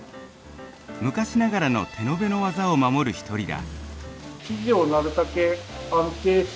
昔ながらの手延べの技を守る一人だ。